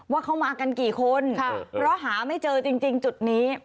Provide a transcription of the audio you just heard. ว่าเขามากันกี่คนเพราะหาไม่เจอจริงจุดนี้